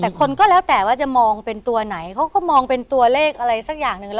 แต่คนก็แล้วแต่ว่าจะมองเป็นตัวไหนเขาก็มองเป็นตัวเลขอะไรสักอย่างหนึ่ง